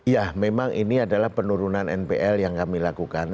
ya memang ini adalah penurunan npl yang kami lakukan